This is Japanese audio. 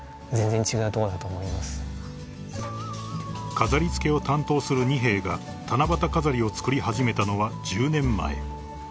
［飾り付けを担当する二瓶が七夕飾りを作り始めたのは１０年前］